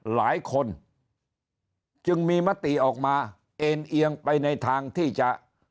หลายคนจึงมีมติออกมาเอ็นเอียงไปในทางที่จะ